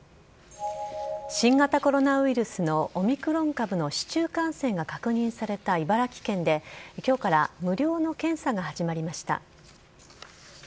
新型コロナウイルスのオミクロン株の市中感染が確認された茨城県で、きょうから無料の検査が始まりました。